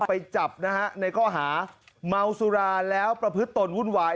ไปจับนะฮะในข้อหาเมาสุราแล้วประพฤติตนวุ่นวาย